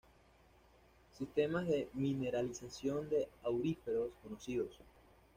Sistemas de mineralización de auríferos conocidos.